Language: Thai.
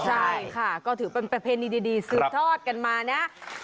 ใช่ค่ะก็ถือเป็นประเพณีดีสืบทอดกันมานะ